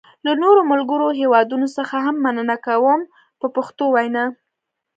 له نورو ملګرو هېوادونو څخه هم مننه کوم په پښتو وینا.